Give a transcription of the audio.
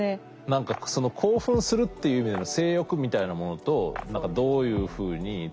何か興奮するっていう意味での性欲みたいなものとどういうふうにつきあうかとか。